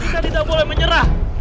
kita tidak boleh menyerah